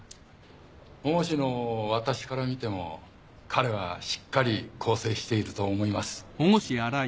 保護司の私から見ても彼はしっかり更生していると思います。